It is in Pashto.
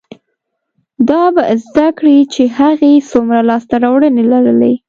دا به زده کړي چې هغې څومره لاسته راوړنې لرلې،